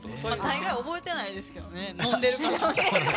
大概覚えてないですけどね飲んでるから。